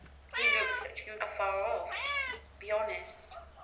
He looks at you afar off. Be honest.